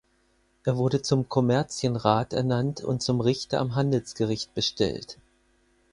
Er wurde zum Kommerzienrat ernannt und zum Richter am Handelsgericht bestellt.